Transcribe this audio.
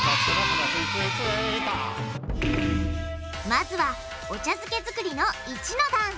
まずはお茶漬け作りの一の段。